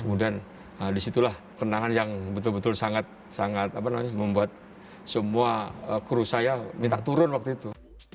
kemudian disitulah kenangan yang betul betul sangat membuat semua kru saya minta turun waktu itu